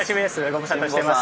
ご無沙汰してます。